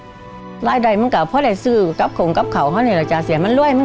อะไรไรมันก็ผ้าได้ซื้อกรับของกรับข่าวเขามันเป็นรวยเราก็กว้างเรื่อย